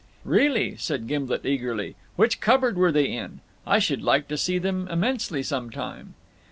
"Really," said Gimblet eagerly, "which cupboard were they in? I should like to see them immensely some time."